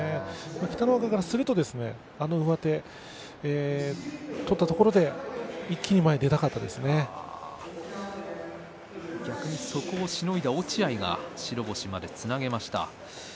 北の若からすると、あの上手取ったところで逆に、そこをしのいだ落合が白星までつなげました。